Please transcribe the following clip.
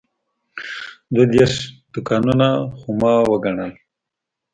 دوه دېرش دوکانونه خو ما وګڼل.